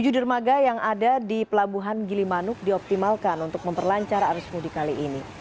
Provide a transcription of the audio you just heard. tujuh dermaga yang ada di pelabuhan gilimanuk dioptimalkan untuk memperlancar arus mudik kali ini